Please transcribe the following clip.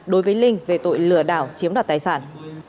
đối với linh về tội lừa đảo chiếm đoạt tài sản